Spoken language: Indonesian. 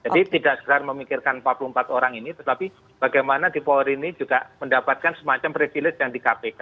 jadi tidak sekadar memikirkan empat puluh empat orang ini tetapi bagaimana di polri ini juga mendapatkan semacam privilege yang di kpk